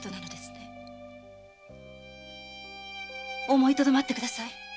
思いとどまってください！